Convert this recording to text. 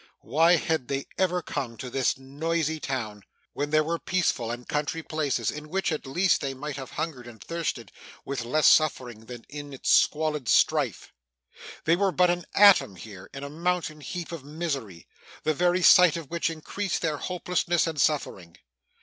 Why had they ever come to this noisy town, when there were peaceful country places, in which, at least, they might have hungered and thirsted, with less suffering than in its squalid strife! They were but an atom, here, in a mountain heap of misery, the very sight of which increased their hopelessness and suffering.